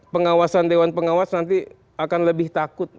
pengawasan dewan pengawas nanti akan lebih takut